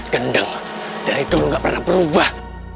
gendeng dari dulu nggak pernah berubah